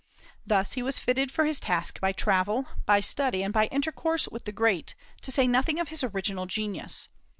Thus was he fitted for his task by travel, by study, and by intercourse with the great, to say nothing of his original genius.